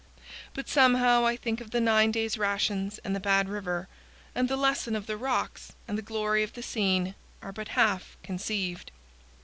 But somehow I think of the nine days' rations and the bad river, and the lesson of the rocks and the glory of the scene are but half conceived.